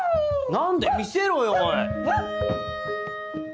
何で見せろよ！おい。